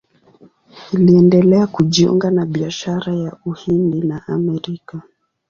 Iliendelea kujiunga na biashara ya Uhindi na Amerika.